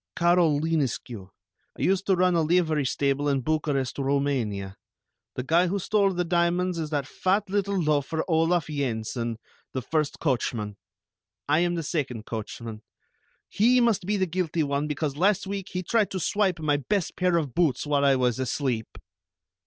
"Carol Linescu. I used to run a livery stable in Bucharest, Roumania. The guy who stole the diamonds is that fat little loafer Olaf Yensen, the first coachman. I am the second coachman. He must be the guilty one because last week he tried to swipe my best pair of boots while I was asleep."